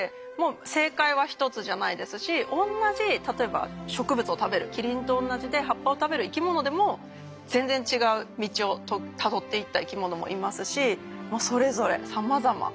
正解は一つじゃないですし同じ例えば植物を食べるキリンと同じで葉っぱを食べる生き物でも全然違う道をたどっていった生き物もいますしそれぞれさまざまです。